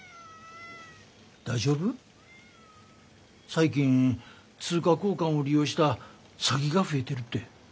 最近通貨交換を利用した詐欺が増えてるって。